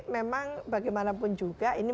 memang bagaimanapun juga ini